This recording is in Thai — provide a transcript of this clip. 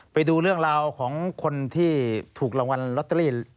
ไปดูเรื่องราวของคนที่ถูกรางวัลลอตเตอรี่